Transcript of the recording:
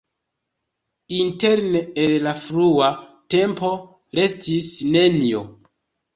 Interne el la frua tempo restis nenio.